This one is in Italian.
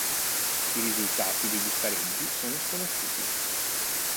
I risultati degli spareggi sono sconosciuti.